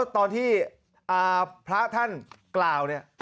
ตอนที่พระท่านกล่าวเนี่ย